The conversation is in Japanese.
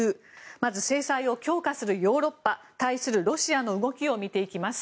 まず制裁を強化するヨーロッパ。対するロシアの動きを見ていきます。